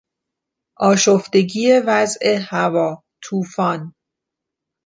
آشفتگی وضع هوا، طوفان